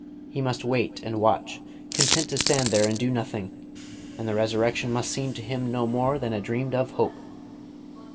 He must wait and watch, content to stand there and do nothing; and the Resurrection must seem to him no more than a dreamed of hope.